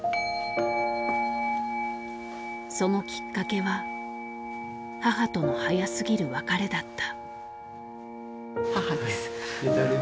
そのきっかけは母との早すぎる別れだった。